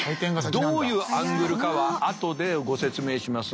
どういうアングルかは後でご説明しますが。